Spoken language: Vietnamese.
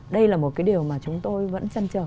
đây là một cái điều mà chúng tôi vẫn chăn trở